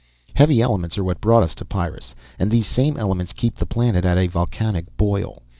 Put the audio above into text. "Heavy elements are what brought us to Pyrrus and these same elements keep the planet at a volcanic boil.